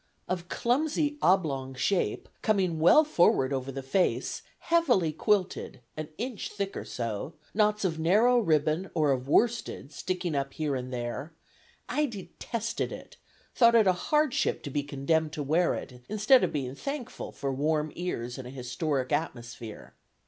Of clumsy oblong shape, coming well forward over the face; heavily quilted, an inch thick or so; knots of narrow ribbon or of worsted sticking up here and there; I detested it, thought it a hardship to be condemned to wear it, instead of being thankful for warm ears and a historic atmosphere.